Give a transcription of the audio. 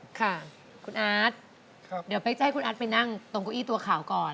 คุณอาร์ทเดี๋ยวเฟ้ยจะให้คุณอาร์ทไปนั่งตรงกุ้ยตัวขาวก่อน